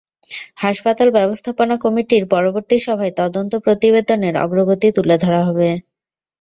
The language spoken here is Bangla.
হাসপাতাল ব্যবস্থাপনা কমিটির পরবর্তী সভায় তদন্ত প্রতিবেদনের অগ্রগতি তুলে ধরা হবে।